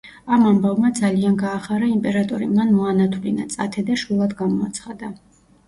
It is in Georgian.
ამ ამბავმა ძალიან გაახარა იმპერატორი, მან მოანათვლინა წათე და შვილად გამოაცხადა.